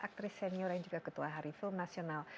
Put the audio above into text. aktris senior yang juga ketua hari film nasional